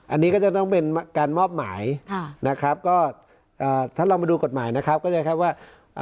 อันนี้ก็จะต้องเป็นการมอบหมายค่ะนะครับก็ถ้าลองมาดูกฎหมายนะครับก็จะแค่ว่า